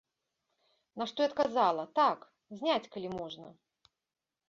На што я адказала, так, зняць, калі можна.